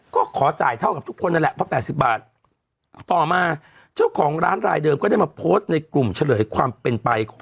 ก็ขอจ่ายเท่ากับทุกคนนั่นแหละเพราะ๘๐บาทต่อมาเจ้าของร้านรายเดิมก็ได้มาโพสต์ในกลุ่มเฉลยความเป็นไปของ